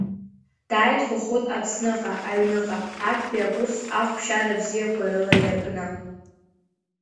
Дааит Хәыхәыт Аԥсныҟа аҩныҟа актәи акурс ахәшьара бзиақәа рыла иаркны.